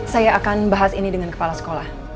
saya akan bahas ini dengan kepala sekolah